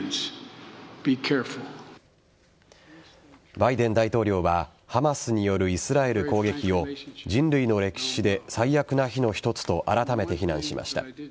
バイデン大統領はハマスによるイスラエル攻撃を人類の歴史で最悪な日の一つとあらためて非難しました。